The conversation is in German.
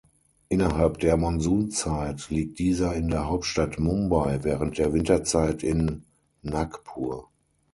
Innerhalb der Monsunzeit liegt dieser in der Hauptstadt Mumbai, während der Winterzeit in Nagpur.